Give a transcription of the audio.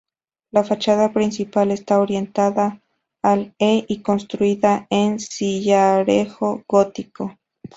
La fachada principal está orientada al E y construida en sillarejo gótico.